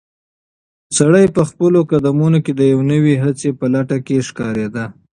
سړی په خپلو قدمونو کې د یوې نوې هڅې په لټه کې ښکارېده.